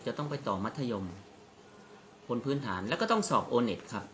จะต้องไปต่อมัธยมบนพื้นฐานแล้วก็ต้องสอบโอเน็ตครับ